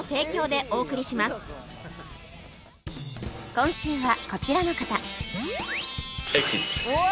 今週はこちらの方わあ！